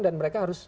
dan mereka harus